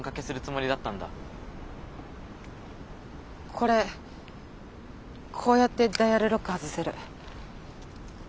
これこうやってダイヤルロック外せる。